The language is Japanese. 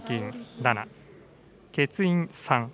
７、欠員３。